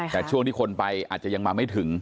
แต่ช่วงที่คนไปอาจจะยังมาไม่ถึง